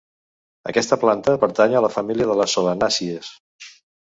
Aquesta planta pertany a la família de les solanàcies.